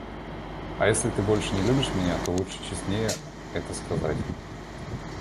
А если ты больше не любишь меня, то лучше и честнее это сказать.